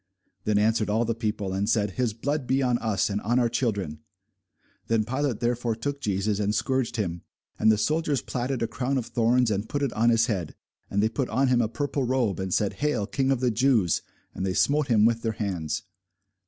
Then answered all the people, and said, His blood be on us, and on our children. Then Pilate therefore took Jesus, and scourged him. And the soldiers platted a crown of thorns, and put it on his head, and they put on him a purple robe, and said, Hail, King of the Jews! and they smote him with their hands.